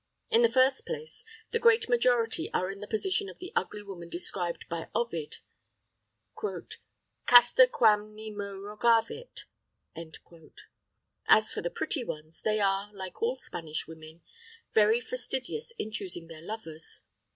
In the first place, the great majority are in the position of the ugly woman described by Ovid, "Casta quam nemo rogavit." As for the pretty ones, they are, like all Spanish women, very fastidious in choosing their lovers.